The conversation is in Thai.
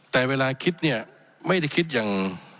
แต่เวลาคิดเนี่ยไม่ได้คิดอย่าง